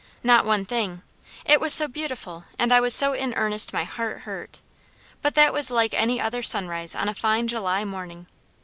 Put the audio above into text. Not one thing! It was so beautiful, and I was so in earnest my heart hurt; but that was like any other sunrise on a fine July morning.